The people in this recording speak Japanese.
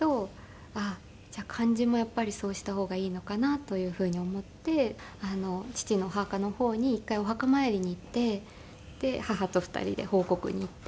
あっじゃあ漢字もやっぱりそうした方がいいのかなというふうに思って父のお墓の方に一回お墓参りに行ってで母と２人で報告に行って。